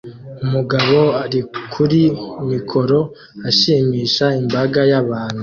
Umugabo ari kuri mikoro ashimisha imbaga y'abantu